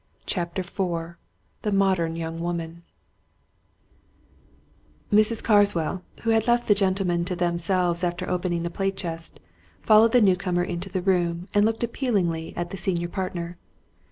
CHAPTER IV THE MODERN YOUNG WOMAN Mrs. Carswell, who had left the gentlemen to themselves after opening the plate chest, followed the new comer into the room and looked appealingly at the senior partner.